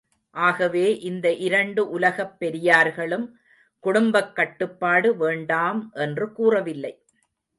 ஆகவே இந்த இரண்டு உலகப் பெரியார்களும் குடும்பக் கட்டுப்பாடு வேண்டாம் என்று கூறவில்லை.